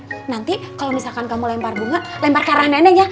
eh nanti kalo misalkan kamu lempar bunga lempar ke arah neneng ya